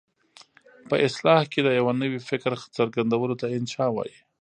په اصطلاح کې د یوه نوي فکر څرګندولو ته انشأ وايي.